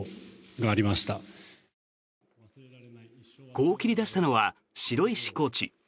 こう切り出したのは城石コーチ。